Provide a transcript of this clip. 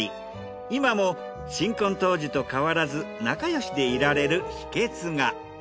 今も新婚当時と変わらず仲よしでいられる秘訣が。